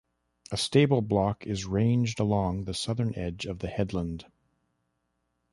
A stable block is ranged along the southern edge of the headland.